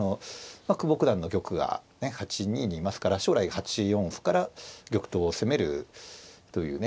久保九段の玉が８二にいますから将来８四歩から玉頭を攻めるというね